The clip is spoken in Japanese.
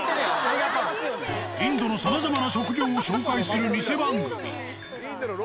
インドのさまざまな職業を紹介する偽番組。